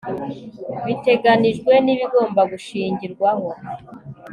biteganijwe n ibigomba gushingirwaho